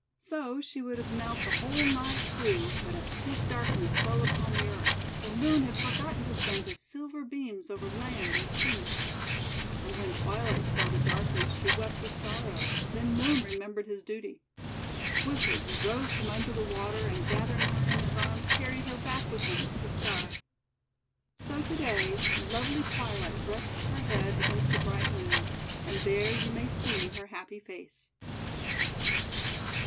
So she would have knelt the whole night through, but a thick darkness fell upon the Earth, for Moon had forgotten to send his silver beams over land and sea. And when Twilight saw the darkness, she wept with sorrow, then Moon remembered his duty. Swiftly he rose from under the water, and, gathering her in his arms, carried her back with him to the Sky. So to day lovely Twilight rests her head against the bright Moon, and there you may see her happy face.